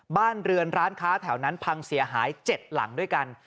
บ้านเรือนร้านค้าแถวนั้นพังเสียหาย๗หลังด้วยกัน